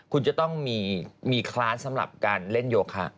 คุณจะต้องมีคลาสสำหรับการเล่นโยคะ